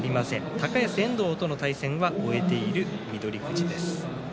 高安、遠藤との対戦は終えている翠富士です。